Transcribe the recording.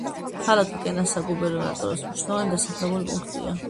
ქალაქი კენას საგუბერნატოროს მნიშვნელოვანი დასახლებული პუნქტია.